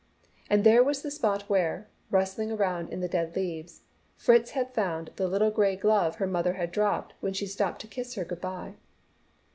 And there was the spot where, rustling around in the dead leaves, Fritz had found the little gray glove her mother had dropped when she stooped to kiss her good bye.